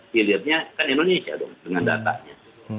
dilihatnya kan indonesia dong dengan datanya